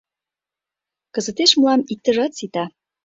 — Кызытеш мылам иктыжат сита.